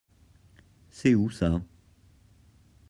C’est où ça?